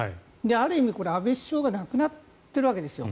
ある意味、安倍首相が亡くなっているわけですよ。